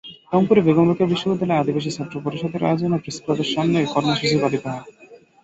রংপুরে বেগম রোকেয়া বিশ্ববিদ্যালয় আদিবাসী ছাত্র পরিষদের আয়োজনে প্রেসক্লাবের সামনে কর্মসূচি পালিত হয়।